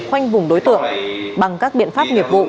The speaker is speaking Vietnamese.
khoanh vùng đối tượng bằng các biện pháp nghiệp vụ